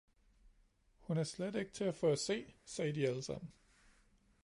"Hun er slet ikke til at få at se!" sagde de alle sammen.